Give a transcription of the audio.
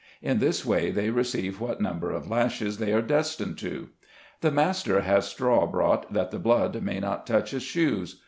In this way, they receive what number of lashes they are destined to. The master has straw brought, that the blood may not touch his shoes.